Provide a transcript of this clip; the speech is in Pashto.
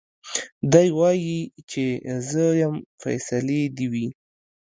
دی وايي چي زه يم فيصلې دي وي